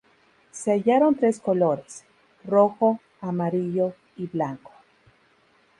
Se hallaron tres colores: Rojo, Amarillo y Blanco.